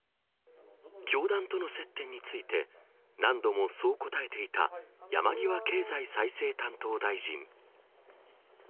教団との接点について、何度もそう答えていた山際経済再生担当大臣。